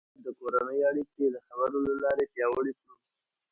موږ باید د کورنۍ اړیکې د خبرو له لارې پیاوړې کړو